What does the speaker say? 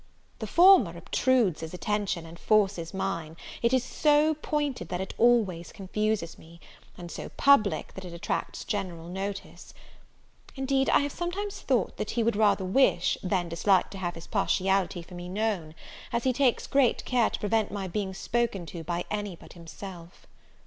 The former obtrudes his attention, and forces mine; it is so pointed, that it always confuses me, and so public, that it attracts general notice. Indeed I have sometimes thought that he would rather wish, than dislike to have his partiality for me known, as he takes great care to prevent my being spoken to by any but himself.